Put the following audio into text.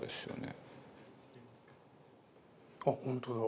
あっ本当だ。